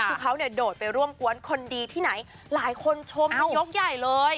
คือเขาเนี่ยโดดไปร่วมกวนคนดีที่ไหนหลายคนชมยกใหญ่เลย